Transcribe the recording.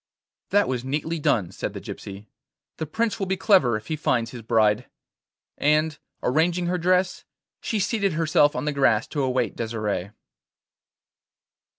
'That was neatly done,' said the gypsy. 'The Prince will be clever if he finds his bride.' And, arranging her dress, she seated herself on the grass to await Desire.